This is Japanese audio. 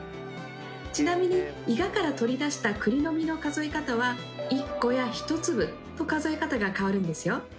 ちなみにイガから取り出した栗の実の数え方は１個や１粒と数え方が変わるんですよ。